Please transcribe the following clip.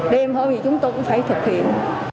đêm hôm gì chúng tôi cũng phải thực hiện